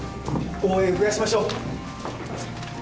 応援増やしましょう。